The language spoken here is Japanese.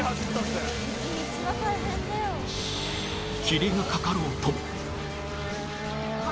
霧がかかろうとも。